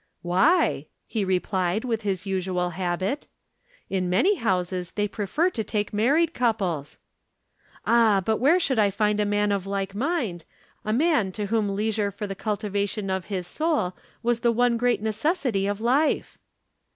'Why?' he replied with his usual habit. 'In many houses they prefer to take married couples.' 'Ah, but where should I find a man of like mind, a man to whom leisure for the cultivation of his soul was the one great necessity of life?'